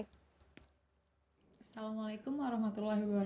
assalamualaikum wr wb